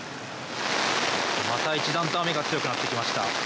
また一段と雨が強くなってきました。